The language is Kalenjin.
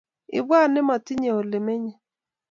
ibwat ne matinye ole menyei